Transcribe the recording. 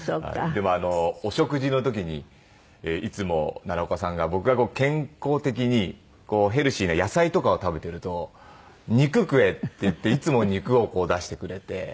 でもお食事の時にいつも奈良岡さんが僕が健康的にヘルシーな野菜とかを食べてると肉食えって言っていつも肉をこう出してくれて。